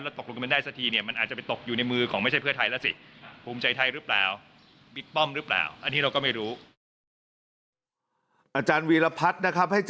ตกลงกันไม่ได้สักทีเนี่ยมันอาจจะไปตกอยู่ในมือของไม่ใช่เพื่อไทยแล้วสิ